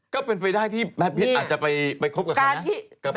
ก็เป็นไปได้ที่แมทพิษอาจจะไปคบกับใครนะ